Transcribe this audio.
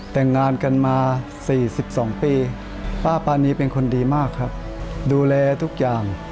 แต่งงานกันมา๔๒ปีป้าปานีเป็นคนดีมากครับดูแลทุกอย่าง